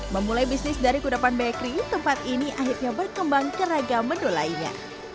memulai bisnis dari kudapan bakery tempat ini akhirnya berkembang ke raga menu lainnya